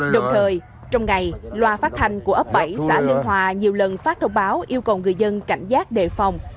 đồng thời trong ngày loa phát thanh của ấp bảy xã lương hòa nhiều lần phát thông báo yêu cầu người dân cảnh giác đề phòng